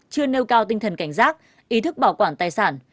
chưa nêu cao tinh thần cảnh giác ý thức bảo quản tài sản